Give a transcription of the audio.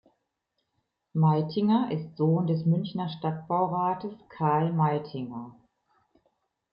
Meitinger ist Sohn des Münchner Stadtbaurates Karl Meitinger.